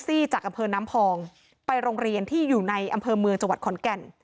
จากอำเภอน้ำพองไปโรงเรียนที่อยู่ในอำเภอเมืองจังหวัดขอนแก่น